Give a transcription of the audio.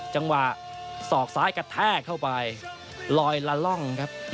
จังหวะสอกซ้ายกระแทกเข้าไปลอยละล่องครับ